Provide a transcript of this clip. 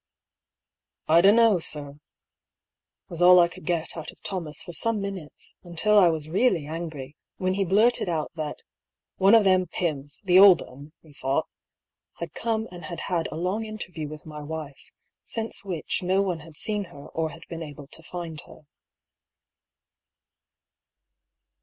" I dunno, sir," was all I could get out of Thomas for some minutes, until I was really angry, when he blurted out that " one of them Pyms — the old 'un, he thought," had come and had had a long interview with DIARY OP HUGH PAULL. I47 my wife, since which no one had seen her or had been able to find her.